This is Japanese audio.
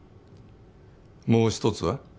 もう一つは？